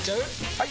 ・はい！